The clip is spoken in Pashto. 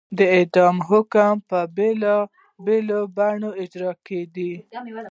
د اعدام حکم به په بېلابېلو بڼو اجرا کېده.